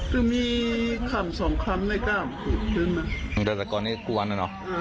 คือมีข่ำสองคำได้กล้ามขึ้นมาแต่ก่อนนี้กว่านั้นหรอ